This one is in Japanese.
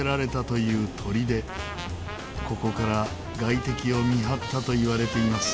ここから外敵を見張ったといわれています。